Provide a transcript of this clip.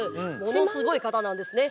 ものすごい方なんですね。